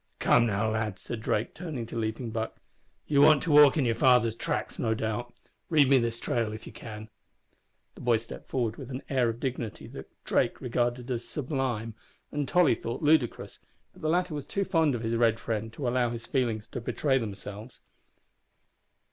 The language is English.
"Come now, lad," said Drake, turning to Leaping Buck, "you want to walk in your father's tracks, no doubt. Read me this trail if ye can." The boy stepped forward with an air of dignity that Drake regarded as sublime and Tolly thought ludicrous, but the latter was too fond of his red friend to allow his feelings to betray themselves.